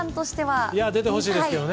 出てほしいですけどね。